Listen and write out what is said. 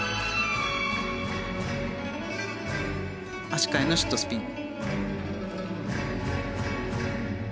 足換えのシットスピン。